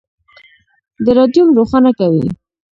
د رادیوم روښانه کوي.